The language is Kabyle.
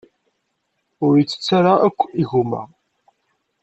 Ur yettett ara akk igumma.